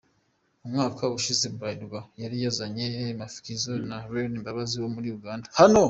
Mu mwaka ushize Bralirwa yari yazanye Mafikizolo na Lilian Mbabazi wo muri Uganda.